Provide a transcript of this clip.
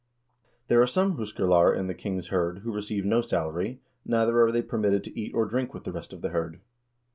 There are some huskarlar in the king's hird who receive no salary, neither are they permitted to eat or drink with the rest of the hird.